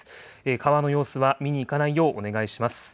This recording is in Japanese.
川の様子は見に行かないようお願いします。